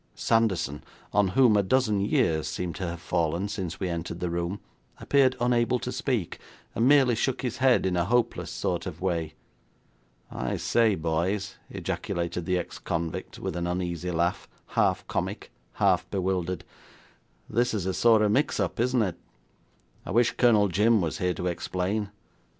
Sanderson, on whom a dozen years seemed to have fallen since we entered the room, appeared unable to speak, and merely shook his head in a hopeless sort of way. 'I say, boys,' ejaculated the ex convict, with an uneasy laugh, half comic, half bewildered, 'this is a sort of mix up, isn't it? I wish Colonel Jim was here to explain.